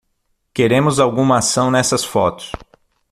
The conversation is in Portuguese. Queremos alguma ação nessas fotos.